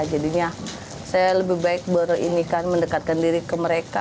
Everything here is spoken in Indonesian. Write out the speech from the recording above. jadinya saya lebih baik mendekatkan diri ke mereka